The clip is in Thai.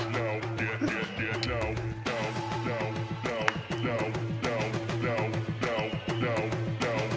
มันน่าจะมีลูกสาวอยู่ในนี้วะ